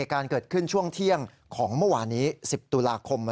การเกิดขึ้นช่วงเที่ยงของเมื่อวานนี้๑๐ตุลาคม